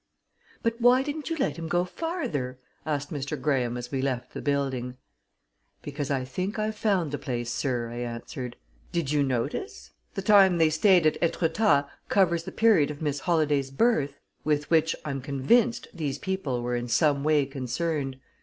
"But why didn't you let him go farther?" asked Mr. Graham, as we left the building. "Because I think I've found the place, sir," I answered. "Did you notice the time they stayed at Etretat covers the period of Miss Holladay's birth, with which, I'm convinced, these people were in some way concerned.